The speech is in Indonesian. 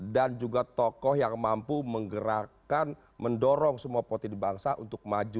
dan juga tokoh yang mampu menggerakkan mendorong semua politik bangsa untuk maju